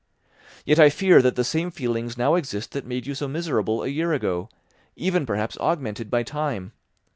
"Yet I fear that the same feelings now exist that made you so miserable a year ago, even perhaps augmented by time.